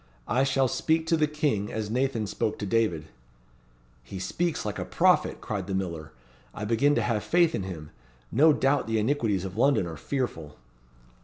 I shall speak to the King as Nathan spoke to David." "He speaks like a prophet," cried the miller; "I begin to have faith in him. No doubt the iniquities of London are fearful."